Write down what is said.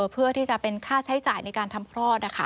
เพื่อที่จะเป็นค่าใช้จ่ายในการทำคลอดนะคะ